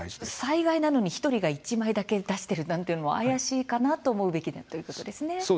災害なのに１人が１枚だけ出しているというのは怪しいと思うべきということですね。